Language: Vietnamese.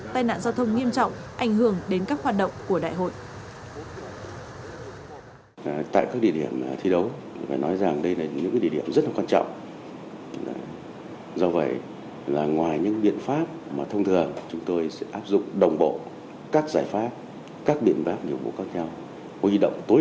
tai nạn giao thông nghiêm trọng ảnh hưởng đến các hoạt động của đại hội